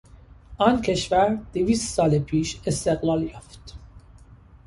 آن کشور دویست سال پیش استقلال یافت.